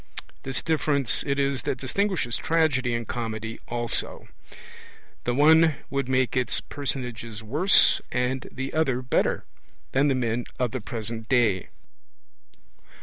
This difference it is that distinguishes Tragedy and Comedy also; the one would make its personages worse, and the other better, than the men of the present day.